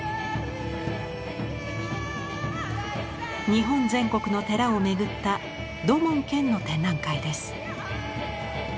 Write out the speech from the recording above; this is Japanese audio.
日本全国の寺を巡った土門拳の展覧会です。